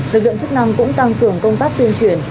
lực lượng chức năng cũng tăng cường công tác tuyên truyền